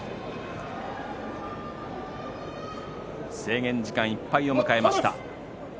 制限時間いっぱいを迎えました。